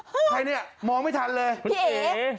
ใครอย่างนี้มองไม่ทันเลยเขียนใจไหมพี่เอ๋